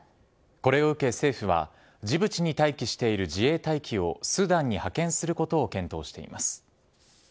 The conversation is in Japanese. これを受け、政府はジブチに待機している自衛隊機をスーダンに派遣することを検討しています。